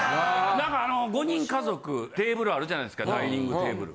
なんか５人家族テーブルあるじゃないすかダイニングテーブル。